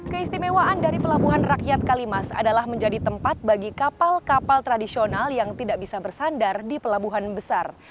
keistimewaan dari pelabuhan rakyat kalimas adalah menjadi tempat bagi kapal kapal tradisional yang tidak bisa bersandar di pelabuhan besar